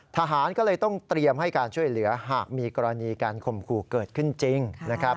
ทหารก็เลยต้องเตรียมให้การช่วยเหลือหากมีกรณีการข่มขู่เกิดขึ้นจริงนะครับ